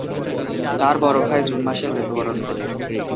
তার বড় ভাই জুন মাসে মৃত্যুবরণ করে।